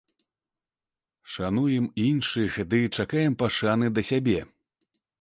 Шануем іншых ды чакаем пашаны да сябе.